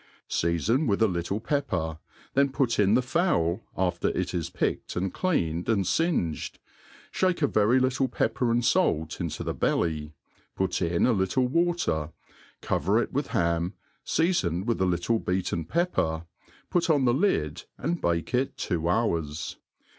Seafon with a little pepper^ then pun in tlie fowl, after it is picked and cleaned, and fingedj £hake« very little pepper and fait into the belly, put in a little water, cover it with ham, feafo^ed with a little beaten pepper^ put oa ihe lid and 1)ake'it two hours.